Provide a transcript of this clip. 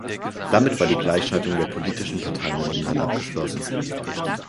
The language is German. Damit war die Gleichschaltung der politischen Parteien in Ungarn abgeschlossen.